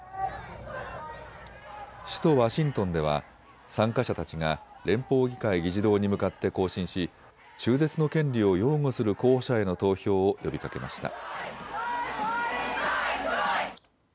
首都ワシントンでは参加者たちが連邦議会議事堂に向かって行進し中絶の権利を擁護する候補者への投票を呼びかけました。